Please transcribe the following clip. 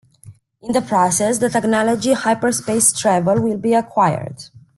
In the process the technology "Hyperspace travel" will be acquired.